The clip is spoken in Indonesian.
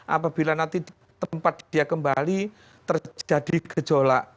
apabila nanti tempat dia kembali terjadi gejolak